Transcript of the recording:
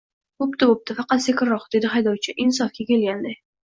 -Bo’pti-bo’pti, faqat sekinroq, — dedi haydovchi “insofga kelganday”…